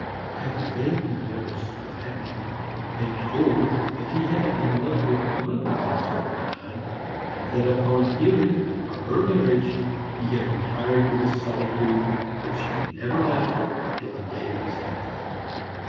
I have a vague remembrance of having been told that he had been in love with my mother once upon a time, and that on hearing of her marriage he had retired into the solitude which he never left till the day of his death.